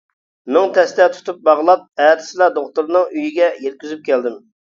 مىڭ تەستە تۇتۇپ باغلاپ، ئەتىسىلا دوختۇرنىڭ ئۆيىگە يەتكۈزۈپ كەلدىم.